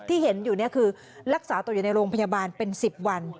ที่เห็นอยู่นี่คือรักษาตัวอยู่ในโรงพยาบาลเป็น๑๐วัน